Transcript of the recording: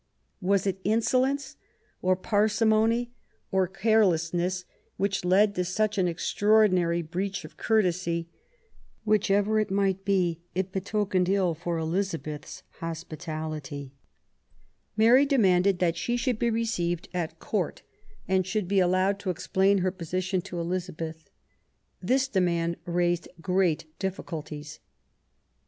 Was it insolence, or parsimony, or carelessness, which led to such an extraordinary breach of courtesy? Whichever it might be, it betokened ill for Eliza beth's hospitality. Mary demanded that she should be received at I04 QUEEN ELIZABETH. Court and should be allowed to explain her position to Elizabeth. This demand raised great difficulties.